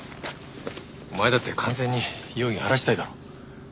お前だって完全に容疑を晴らしたいだろう。